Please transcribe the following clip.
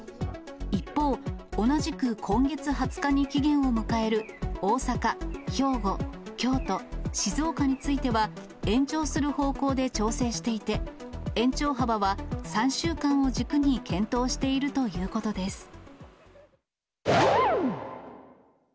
一方、同じく今月２０日に期限を迎える大阪、兵庫、京都、静岡については、延長する方向で調整していて、延長幅は３週間を軸に検討しているということです。